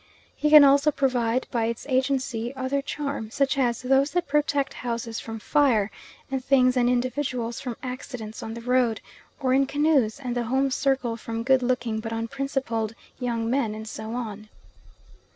He can also provide by its agency other charms, such as those that protect houses from fire, and things and individuals from accidents on the road, or in canoes, and the home circle from good looking but unprincipled young men, and so on.